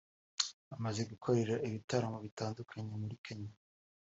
amaze gukorera ibitaramo bitandukanye muri Kenya